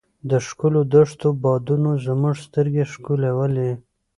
د ښکلو دښتو بادونو زموږ سترګې ښکلولې.